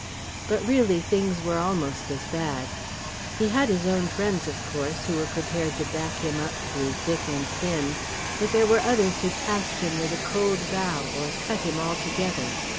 But really, things were almost as bad. He had his own friends, of course, who were prepared to back him up through thick and thin, but there were others who passed him with a cold bow, or cut him altogether.